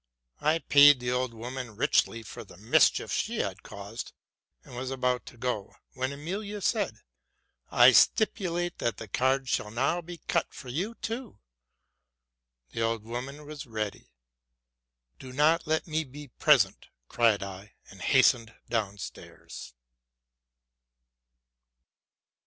I paid the old woman richly for the mischief she had caused, and was about to go, when Emilia said, '' I stipulate that the cards shall now be cut for you too.'' The old woman was ready. '* Do not let me be present,'' cried I, and hastened down stairs.